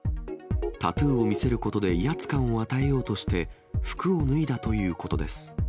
タトゥーを見せることで威圧感を与えようとして、服を脱いだということです。